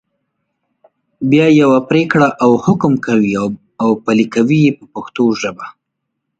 بیا یوه پرېکړه او حکم کوي او پلي یې کوي په پښتو ژبه.